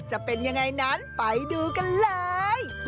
จะเป็นยังไงนั้นไปดูกันเลย